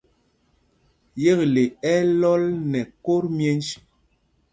Yekle ɛ́ ɛ́ lɔl nɛ kot myenj.